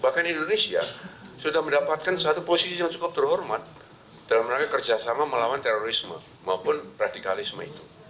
bahkan indonesia sudah mendapatkan satu posisi yang cukup terhormat dalam rangka kerjasama melawan terorisme maupun radikalisme itu